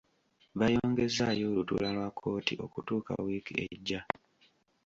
Bayongezzaayo olutuula lwa kkooti okutuuka wiiki ejja.